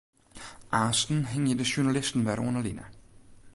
Aansten hingje de sjoernalisten wer oan 'e line.